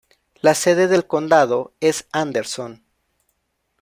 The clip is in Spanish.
La sede del condado es Anderson.